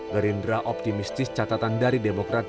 gerindra optimistis catatan dari demokrat